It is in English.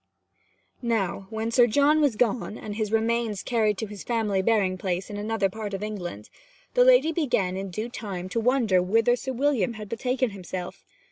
Now when Sir John was gone, and his remains carried to his family burying place in another part of England, the lady began in due time to wonder whither Sir William had betaken himself.